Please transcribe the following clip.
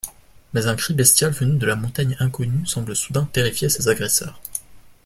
Mais un cri bestial venu de la Montagne Inconnue semble soudain terrifier ses agresseurs.